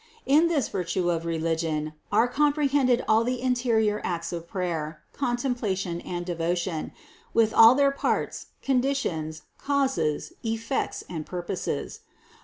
In this virtue of religion are comprehended all the interior acts of prayer, contemplation and devotion, with all their parts, conditions, causes, effects and purposes.